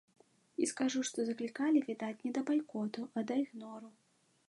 І скажу, што заклікалі, відаць, не да байкоту, а да ігнору.